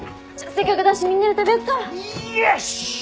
せっかくだしみんなで食べよっか。よしっ！